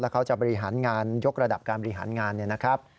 เขาจะบริหารงานยกระดับการบริหารงานเนี่ยนะครับ